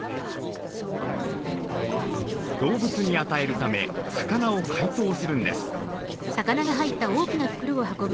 動物に与えるため魚を解凍するんです。